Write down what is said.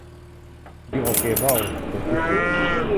ลีโอ โกลบอล โลจิสติกส์